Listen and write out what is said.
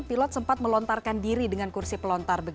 pilot sempat melontarkan diri dengan kursi pelontar